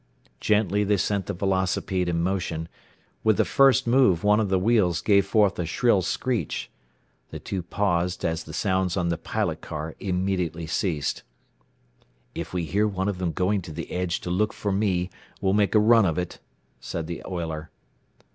Gently they set the velocipede in motion. With the first move one of the wheels gave forth a shrill screech. The two paused as the sounds on the pilot car immediately ceased. "If we hear one of them going to the edge to look for me, we'll make a run of it," said the oiler.